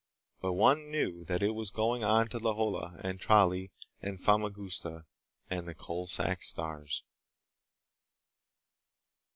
But one knew that it was going on to Lohala and Tralee and Famagusta and the Coalsack Stars.